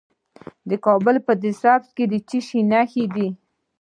د کابل په ده سبز کې د څه شي نښې دي؟